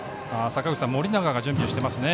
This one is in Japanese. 盛永が準備していますね。